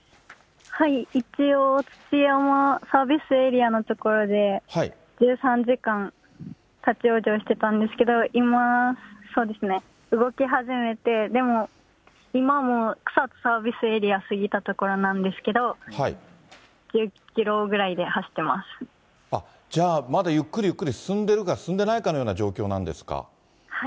一応、土山サービスエリアの所で、１３時間、立往生してたんですけど、今、そうですね、動き始めて、でも、今も草津サービスエリア過ぎた所なんですけど、１０キロぐらいでじゃあ、まだゆっくりゆっくり進んでいるか、進んでないかのような状況なんですか。